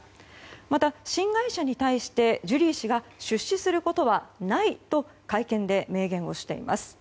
また、新会社に対してジュリー氏が出資することはないと会見で明言しています。